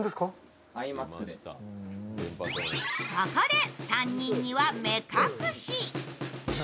ここで３人には目隠し。